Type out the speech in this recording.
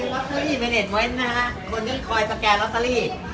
คนเยี่ยมหน่อยถ่ายอุปกรณ์